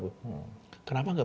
bisa kata sesuatu